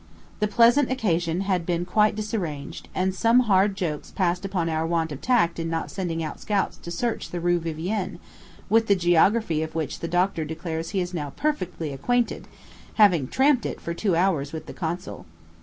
The pleasant occasion had been quite disarranged, and some hard jokes passed upon our want of tact in not sending out scouts to search the Rue Vivienne, with the geography of which the doctor declares he is now perfectly acquainted having tramped it for two hours with the consul.